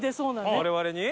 我々に？